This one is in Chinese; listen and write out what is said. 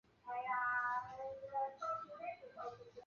尖齿毛木荷为山茶科木荷属下的一个变种。